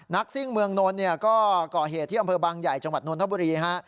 ซิ่งเมืองนนท์เนี่ยก็ก่อเหตุที่อำเภอบางใหญ่จังหวัดนทบุรีฮะ